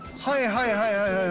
はいはいはいはい。